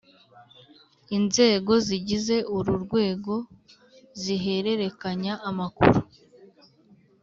Inzego zigize uru rwego zihererekanya amakuru